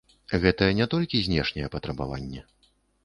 Гэта не толькі знешняе патрабаванне.